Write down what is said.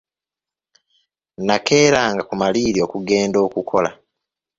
Nakeeranga ku maliiri okugenda okukola.